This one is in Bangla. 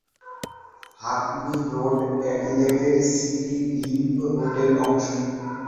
হ্যাকনি রোড অ্যাডিলেডের সিটি রিং রুটের অংশ।